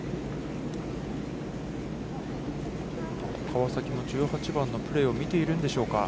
川崎も１８番のプレーを見ているんでしょうか。